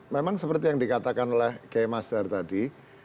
memang seperti yang dikatakan oleh k e master tadi